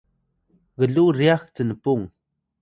gluw ryax cnpung